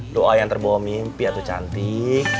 doa yang terbawa mimpi atau cantik